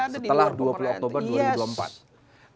setelah dua puluh oktober dua ribu dua puluh empat